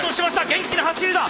元気な走りだ！